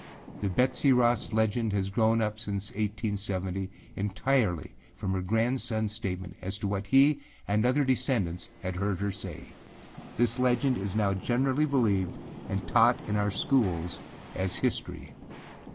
The Betsey Ross legend has grown up since 1870 entirely from her grandsonâs statement as to what he and other descendants had heard her say. This legend is now generally believed and taught in our schools as history.